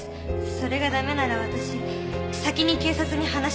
「それがダメなら私先に警察に話します」